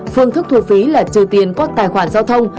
phương thức thu phí là trừ tiền qua tài khoản giao thông